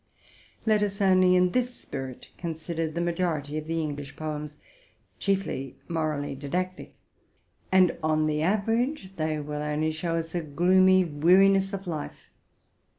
Let us only in this spirit consider the majority of the English poems, chiefly morally didactic, and on the average they will only show us a gloomy weariness of life.